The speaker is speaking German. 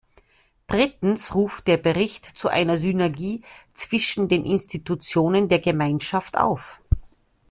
Drittens ruft der Bericht zu einer Synergie zwischen den Institutionen der Gemeinschaft auf.